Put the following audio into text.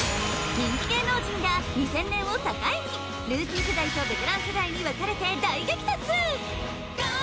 人気芸能人が２０００年を境にルーキー世代とベテラン世代に分かれて大激突Ｇｏ！